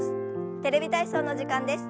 「テレビ体操」の時間です。